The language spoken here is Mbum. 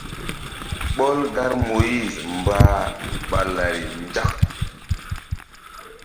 Ɓɔl gar Moyiz mbah ɓa lari nzak.